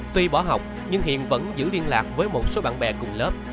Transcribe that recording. tuy bỏ học nhưng hiện vẫn giữ liên lạc với một số bạn bè cùng lớp